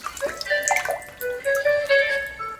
د وګړو ډېروالی د عاید تر زیاتوالي لوړ دی.